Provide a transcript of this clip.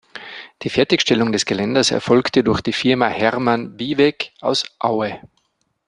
Die Fertigstellung des Geländers erfolgte durch die Firma Hermann Vieweg aus Aue.